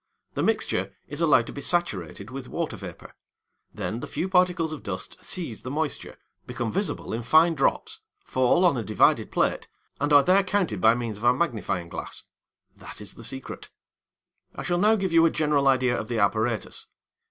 The mixture is allowed to be saturated with water vapour. Then the few particles of dust seize the moisture, become visible in fine drops, fall on a divided plate, and are there counted by means of a magnifying glass. That is the secret! I shall now give you a general idea of the apparatus.